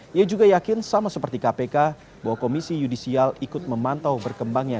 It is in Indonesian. dia juga yakin sama seperti kpk bahwa komisi yudisial ikut memantau berkembangnya